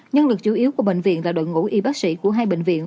nhân lực chủ yếu của bệnh viện và đội ngũ y bác sĩ của hai bệnh viện